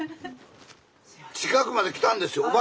近くまで来たんですよ。